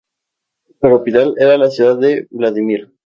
Su capital era la ciudad de Vladímir.